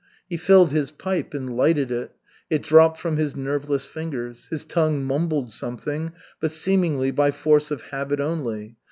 He filled his pipe and lighted it. It dropped from his nerveless fingers. His tongue mumbled something, but seemingly by force of habit only.